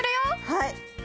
はい。